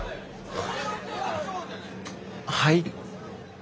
はい？